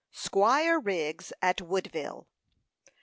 SQUIRE WRIGGS AT WOODVILLE.